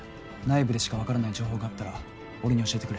内部でしか分からない情報があったら俺に教えてくれ。